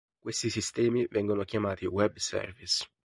Questi sistemi vengono chiamati web service.